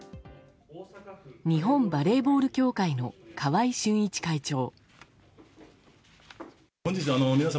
日本バレーボール協会の川合俊一会長。